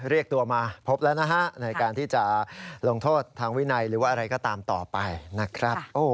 เรียกตัวมาพบแล้วนะฮะในการที่จะลงโทษทางวินัยหรือว่าอะไรก็ตามต่อไปนะครับ